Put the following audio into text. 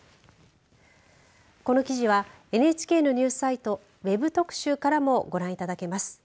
この記事はＮＨＫのニュースサイトＷＥＢ特集からもご覧いただけます。